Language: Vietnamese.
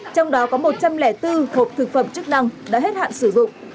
trong đó có một trăm linh bốn hộp thực phẩm chức năng đã hết hạn sử dụng